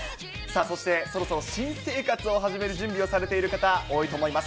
そしてそろそろ新生活を始める準備をされている方、多いと思います。